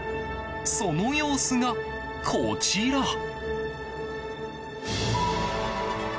その様子がこちら。